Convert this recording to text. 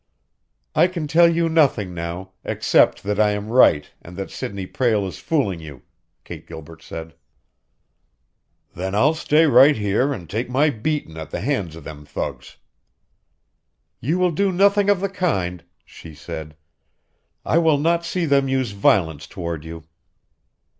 "I can tell you nothing now, except that I am right and that Sidney Prale is fooling you," Kate Gilbert said. "Then I'll stay right here and take my beatin' at the hands of them thugs." "You will do nothing of the kind," she said. "I will not see them use violence toward you."